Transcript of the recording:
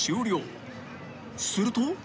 ［すると］